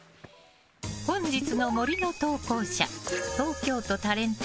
本日の森の投稿者東京都タレント